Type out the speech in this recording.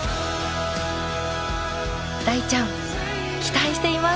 大ちゃん期待しています！